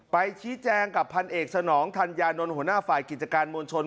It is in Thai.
ไปชี้แจงกับพันเอกสนองธัญญานนท์หัวหน้าฝ่ายกิจการมวลชน